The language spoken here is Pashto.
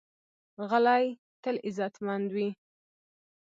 غلی، تل عزتمند وي.